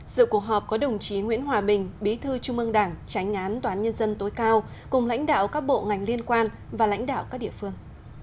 dự cuộc họp có đồng chí nguyễn hòa bình bí thư trung ương đảng tránh án toán nhân dân tối cao cùng lãnh đạo các bộ ngành liên quan và lãnh đạo các địa phương